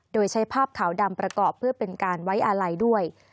โดยใช้ภาพขาวดำประกอบเพื่อเป็นการไว้อาลัยด้วย